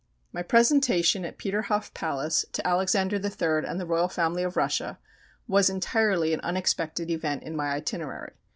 My presentation at Peterhoff Palace to Alexander III. and the royal family of Russia was entirely an unexpected event in my itinerary.